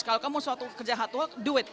kalau kamu suatu kerja hati hati do it